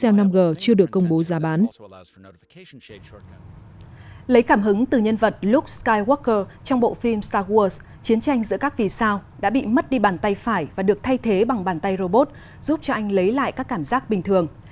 luke skywalker trong bộ phim star wars chiến tranh giữa các vì sao đã bị mất đi bàn tay phải và được thay thế bằng bàn tay robot giúp cho anh lấy lại các cảm giác bình thường